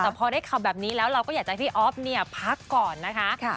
แต่พอได้ข่าวแบบนี้แล้วเราก็อยากจะให้พี่อ๊อฟเนี่ยพักก่อนนะคะ